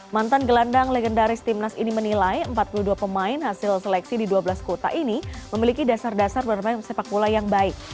mantan gelandang legendaris timnas ini menilai empat puluh dua pemain hasil seleksi di dua belas kota ini memiliki dasar dasar bermain sepak bola yang baik